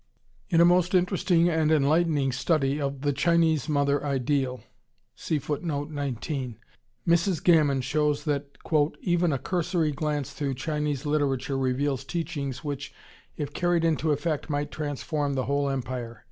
] In a most interesting and enlightening study of "The Chinese Mother Ideal" Mrs. Gammon shows that "even a cursory glance through Chinese literature reveals teachings which if carried into effect might transform the whole empire."